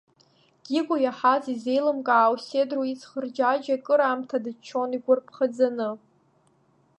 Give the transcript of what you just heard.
Гиго иаҳаз изеилымкаау седру, иц хырџьаџьа акыраамҭа дыччон игәарԥхаӡаны.